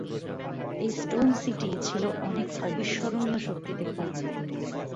এই stone city ছিলো অনেক অবিস্মরণীয় শক্তিতে পুর্ণ।